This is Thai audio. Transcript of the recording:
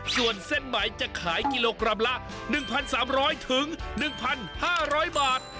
ส่วนเส้นใหม่จะขายกิโลกรัมละ๑๓๐๐๑๕๐๐บาท